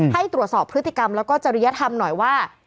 ให้ตรวจสอบพฤติกรรมแล้วก็จริยธรรมหน่อยว่า